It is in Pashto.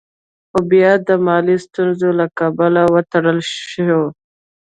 خو بيا د مالي ستونزو له کبله وتړل شوه.